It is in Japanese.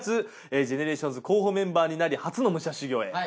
ＧＥＮＥＲＡＴＩＯＮＳ候補メンバーになり初の夢者修行へ。